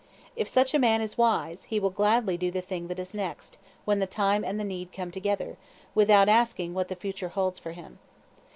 If such a man is wise, he will gladly do the thing that is next, when the time and the need come together, without asking what the future holds for him.